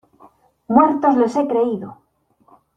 ¡ muertos les he creído!